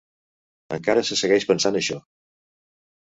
Encara se segueix pensant això.